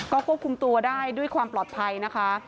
ก็ควบคุมตัวได้ด้วยความปลอดภัยนะคะ